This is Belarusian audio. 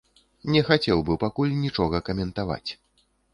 Не хацеў бы пакуль нічога каментаваць.